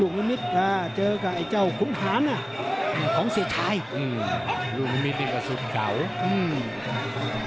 ลูกลมิดค่ะเจอกับไอ้เจ้าคุณหานะของเศรษฐายอืมลูกลมิดเองก็สุดเก่าอืม